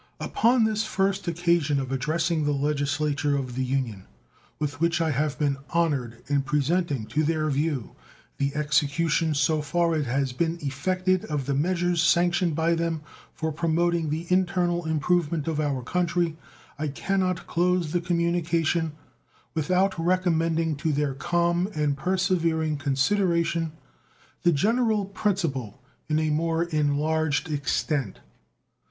Upon this first occasion of addressing the Legislature of the Union, with which I have been honored, in presenting to their view the execution so far as it has been effected of the measures sanctioned by them for promoting the internal improvement of our country, I can not close the communication without recommending to their calm and persevering consideration the general principle in a more enlarged extent.